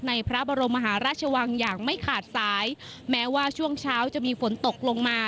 พระบรมมหาราชวังอย่างไม่ขาดสายแม้ว่าช่วงเช้าจะมีฝนตกลงมา